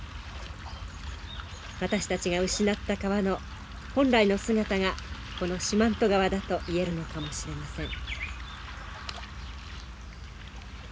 私たちが失った川の本来の姿がこの四万十川だと言えるのかもしれません。